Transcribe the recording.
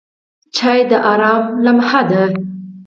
چای د آرام لمحه ده.